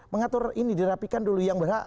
mengatur ini dirapikan dulu yang berhak